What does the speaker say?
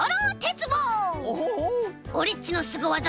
オレっちのすごわざ